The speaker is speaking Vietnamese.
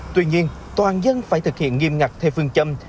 tuy nhiên toàn dân phải thực hiện nghiêm ngặt theo phương châm